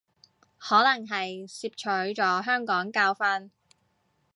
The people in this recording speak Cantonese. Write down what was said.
可能係汲取咗香港教訓